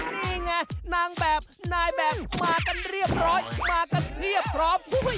นี่ไงนางแบบนายแบมมากันเรียบร้อยมากันเพียบพร้อม